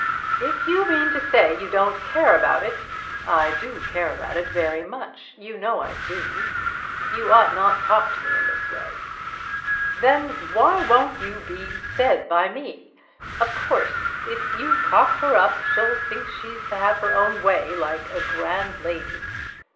"If you mean to say you don't care about it !" "I do care about it very much. You know I do. You ought not to talk to me in that way." "Then why won't you be said by me? Of course if you cocker her up, she'll think she's to have her own way like a grand lady.